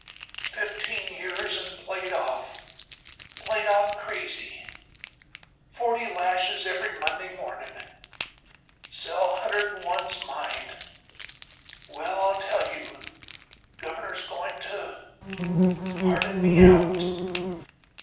Fifteen years, an' played off ... played off crazy.... Forty lashes every Monday ... mornin'.... Cell hunder'd'n one's mine.... Well, I'll tell you: Governor's goin' to ... pardon me out."